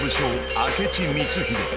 明智光秀